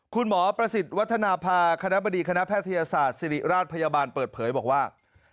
ประสิทธิ์วัฒนภาคณะบดีคณะแพทยศาสตร์ศิริราชพยาบาลเปิดเผยบอกว่า